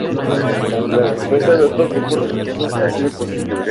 Las respuestas de otros grupos religiosos han sido positivas.